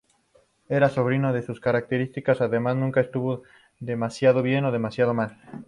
Era sobrio en sus características, además nunca estuvo demasiado bien o demasiado mal.